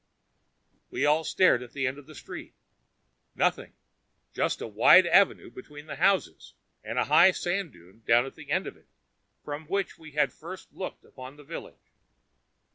We all stared at the end of the street. Nothing! Just the wide avenue between the houses, and the high sand dune down at the end of it, from which we had first looked upon the village.